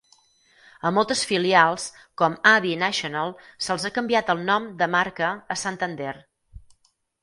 A moltes filials, com Abbey National, se'ls ha canviat el nom de marca a Santander.